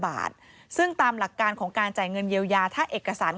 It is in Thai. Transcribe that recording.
โปรดติดตามต่างกรรมโปรดติดตามต่างกรรม